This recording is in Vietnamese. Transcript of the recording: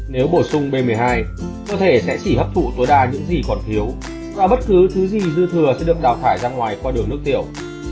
nếu bổ sung b một mươi hai cơ thể sẽ chỉ hấp thụ tối đa những gì còn thiếu và bất cứ thứ gì dư thừa sẽ được đào thải ra ngoài qua đường nước tiểu